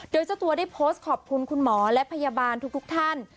โดยเจ้าตัวได้โพสต์ขอบคุณคุณหมอและพยาบาลทุกท่าน